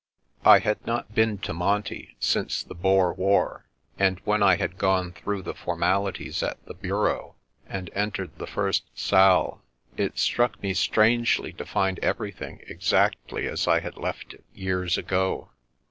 I had not been to " Monte " since the Boer war ; and when I had gone through the formalities at the Bureau, and entered the first salle, it struck me strangely to find everything exactly as I had left it years ago.